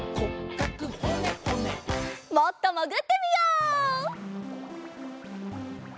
もっともぐってみよう！